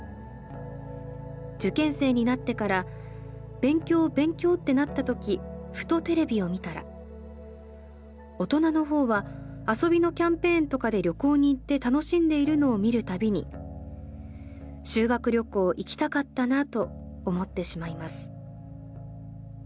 受験生になってから勉強勉強ってなった時ふとテレビを見たら大人の方は遊びのキャンペーンとかで旅行に行って楽しんでいるのを見る度に修学旅行行きたかったなと思ってしまいます。